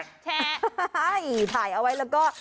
แชะถ่ายเอาไว้แล้วก็